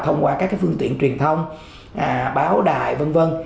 thông qua các cái phương tiện truyền thông báo đài vân vân